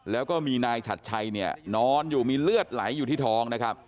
แล้วก็มีนายฉัดชัยเนี่ยนอนอยู่มีเลือดไหลอยู่ที่ท้องนะครับ